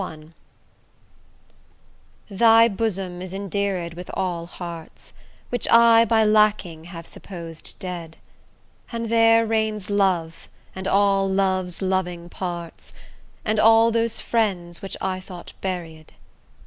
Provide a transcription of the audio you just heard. XXXI Thy bosom is endeared with all hearts, Which I by lacking have supposed dead; And there reigns Love, and all Love's loving parts, And all those friends which I thought buried.